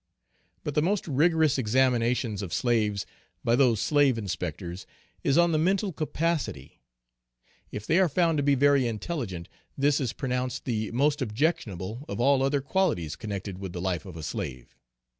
But the most rigorous examinations of slaves by those slave inspectors, is on the mental capacity. If they are found to be very intelligent, this is pronounced the most objectionable of all other qualities connected with the life of a slave.